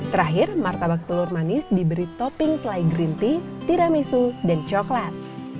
terakhir martabak telur manis diberi topping selai green tea tiramisu dan coklat